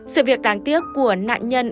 sự việc đáng tiếc của nạn nhân